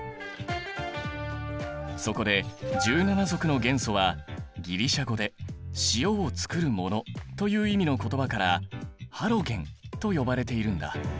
そこで１７族の元素はギリシャ語で「塩をつくるもの」という意味の言葉からハロゲンと呼ばれているんだ。